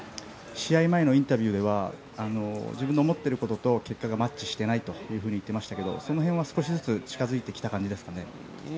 試合前のインタビューでは自分が思っていることと結果がマッチしていないと言っていましたがその辺は少しずつ近付いてきた感じですかね。